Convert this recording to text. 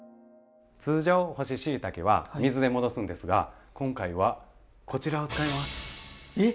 通常干ししいたけは水で戻すんですが今回はこちらを使います。